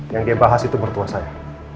yang dia bahas itu mertua saya